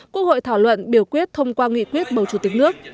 quốc hội thảo luận biểu quyết thông qua nghị quyết bầu chủ tịch nước